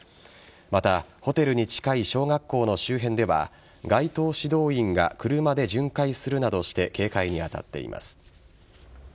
またホテルに近い小学校の周辺では街頭指導員が車で巡回するなどして警戒に当たっています。